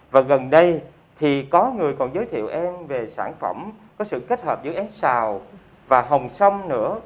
và gần đây thì có người còn giới thiệu em về sản phẩm có sự kết hợp giữa én xào và hồng sông nữa